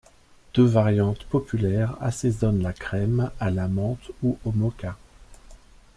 Deux variantes populaires assaisonnent la crème à la menthe ou au moka.